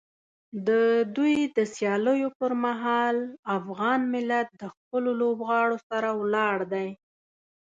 د دوی د سیالیو پر مهال افغان ملت د خپلو لوبغاړو سره ولاړ دی.